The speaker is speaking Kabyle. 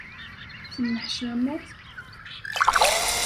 Tenneḥcameḍ?